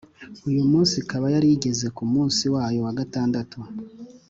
uyu munsi ikaba yari igeze ku munsi wayo wa gatandatu